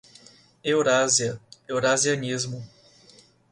Eurásia, eurasianismo